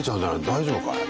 大丈夫かい？